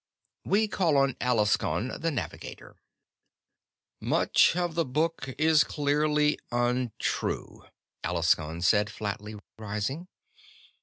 We call on Alaskon the Navigator." "Much of the Book is clearly untrue," Alaskon said flatly, rising.